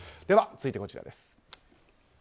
では、続いてこちらです。